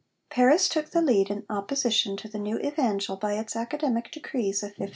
Paris took the lead in opposition to the new Evangel by its Academic decrees of 1521.